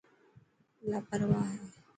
لاپرواهه هي.